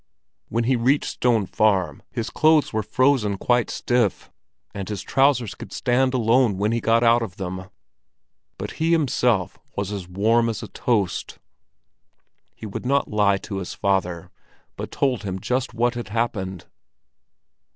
When he reached Stone Farm, his clothes were frozen quite stiff, and his trousers could stand alone when he got out of them; but he himself was as warm as a toast. He would not lie to his father, but told him just what had happened.